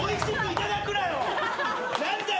何だよ